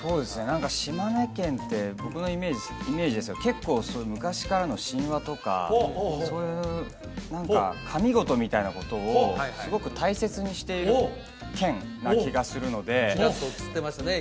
何か島根県って僕のイメージですけど結構そういう昔からの神話とかそういう何か神ごとみたいなことをすごく大切にしている県な気がするのでちらっと映ってましたね